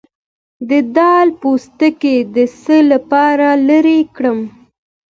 د دال پوستکی د څه لپاره لرې کړم؟